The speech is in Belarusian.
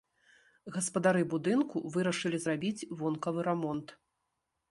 Гаспадары будынку вырашылі зрабіць вонкавы рамонт.